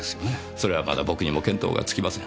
それはまだ僕にも見当が付きません。